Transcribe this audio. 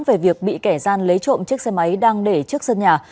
về việc bị kẻ gian lấy trộm chiếc xe máy đang để trước sân nhà